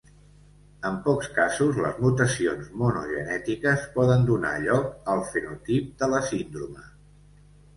En pocs casos, les mutacions monogenètiques poden donar lloc al fenotip de la síndrome.